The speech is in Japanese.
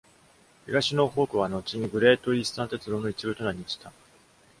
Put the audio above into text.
東ノーフォークは後にグレートイースタン鉄道の一部となりました。